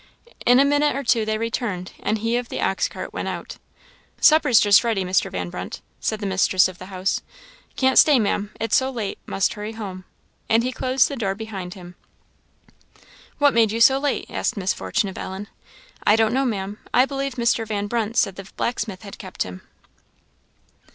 In a minute or two they returned, and he of the ox cart went out. "Supper's just ready, Mr. Van Brunt," said the mistress of the house. "Can't stay, Maam it's so late; must hurry home." And he closed the door behind him. "What made you so late?" asked Miss Fortune of Ellen. "I don't know, Maam I believe Mr. Van Brunt said the blacksmith had kept him."